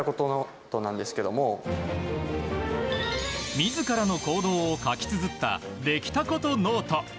自らの行動を書き綴ったできたことノート。